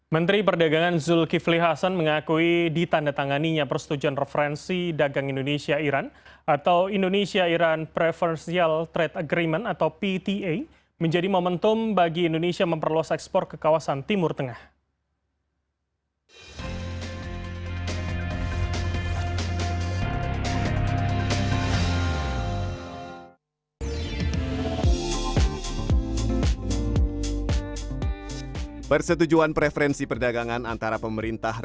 menteri perdagangan zulkifli hasan mengakui ditanda tanganinya persetujuan referensi dagang indonesia iran atau indonesia iran preferential trade agreement atau pta menjadi momentum bagi indonesia memperluas ekspor ke kawasan timur tengah